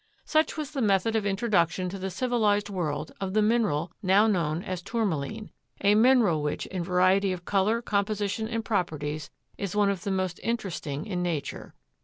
Such was the method of introduction to the civilized world of the mineral now known as Tourmaline, a mineral which in variety of color, composition and properties is one of the most interesting in Nature.